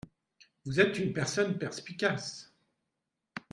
Vous êtes une personne perspicace.